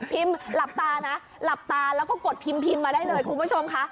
หลับตานะหลับตาแล้วก็กดพิมพ์มาได้เลยคุณผู้ชมค่ะ